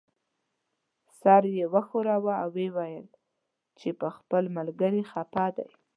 سر یې وښوراوه او یې وویل چې په خپل ملګري خپه دی.